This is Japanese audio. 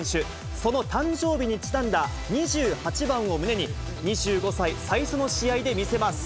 その誕生日にちなんだ２８番を胸に、２５歳最初の試合で見せます。